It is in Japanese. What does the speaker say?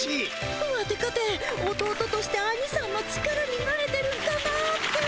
ワテかて弟としてアニさんの力になれてるんかなって。